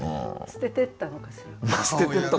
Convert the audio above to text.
捨ててったのかしら。